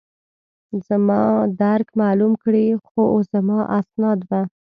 چې زما درک معلوم کړي، خو زما اسناد به.